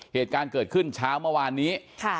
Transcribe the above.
เหตุการณ์เกิดขึ้นเช้าเมื่อวานนี้